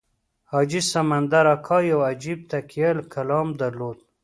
حاجي سمندر اکا یو عجیب تکیه کلام درلود.